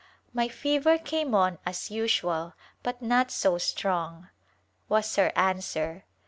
My fever came on as usual, but not so strong," was her answer.